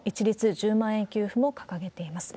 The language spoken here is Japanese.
１０万円給付も掲げています。